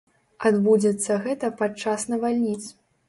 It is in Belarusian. Адбудзецца гэта падчас навальніц.